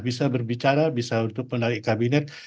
bisa berbicara bisa untuk menarik kabinet